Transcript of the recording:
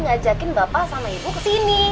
ngajakin bapak sama ibu kesini